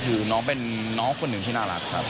คือน้องเป็นน้องคนหนึ่งที่น่ารักครับ